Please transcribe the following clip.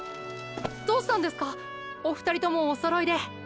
どうしたんですかお２人ともお揃いで。